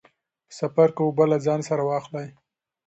په سفر کې اوبه له ځان سره واخلئ.